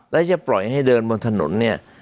แล้วจะปล่อยให้เดินบนถนนเนี่ย